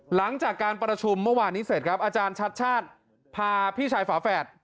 หลังจากการประชุมเมื่อวานนี้เสร็จครับอาจารย์ชัดชาติพาพี่ชายฝาแฝด